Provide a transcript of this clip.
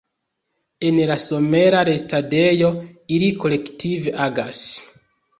En la somera restadejo ili kolektive agas.